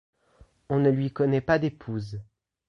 On ne lui connait pas d'épouse.